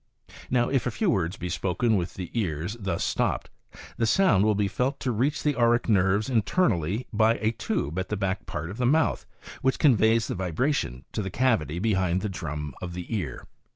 Now, if a few words be spoken with the ears thus stopped, the sound will be felt to reach the auric nerves internally by a tube at the back part of the mouth, which conveys the vi bration to the cavity behind the drum of the ear.